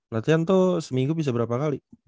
latihan tuh seminggu bisa berapa kali